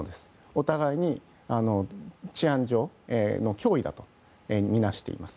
お互いに治安上の脅威だとみなしています。